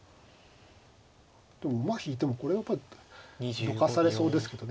でも馬引いてもこれはやっぱりどかされそうですけどね。